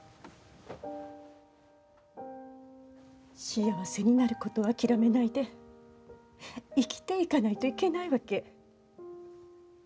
幸せになることを諦めないで生きていかないといけないわけ。